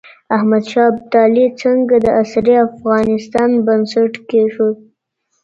احمد شاه ابدالي څنګه د عصري افغانستان بنسټ کيښود؟